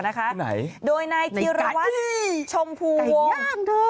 ไหนไหนกะอี้ไก่ย่างเถอะโดยนายธีรวรรณชมภูวง